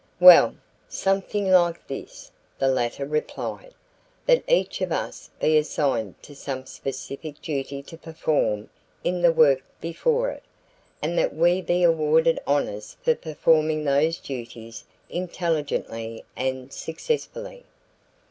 "Well, something like this," the latter replied: "that each of us be assigned to some specific duty to perform in the work before it, and that we be awarded honors for performing those duties intelligently and successfully."